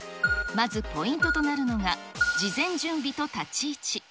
まずポイントとなるのが、事前準備と立ち位置。